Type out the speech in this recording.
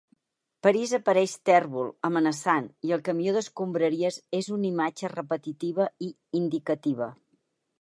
París apareix tèrbol, amenaçant, i el camió d'escombraries és una imatge repetitiva i indicativa.